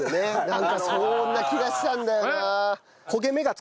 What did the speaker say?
なんかそんな気がしたんだよな。